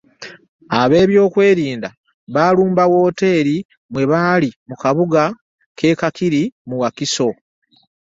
Ab'ebyokwerinda baalumba wooteeri mwe baali mu kabuga k'e Kakiri mu Wakiso